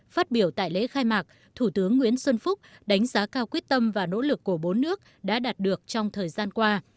phát biểu tại lễ khai mạc thủ tướng nguyễn xuân phúc đánh giá cao quyết tâm và nỗ lực của bốn nước đã đạt được trong thời gian qua